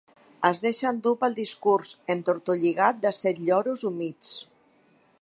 Es deixa endur pel discurs entortolligat de set lloros humits.